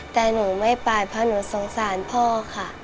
แต่หนูไม่ไปเพราะหนูสงสารพ่อค่ะ